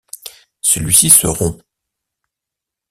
Celui-ci se rompt.